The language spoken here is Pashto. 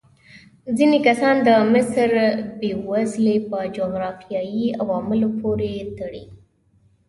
ځینې کسان د مصر بېوزلي په جغرافیايي عواملو پورې تړي.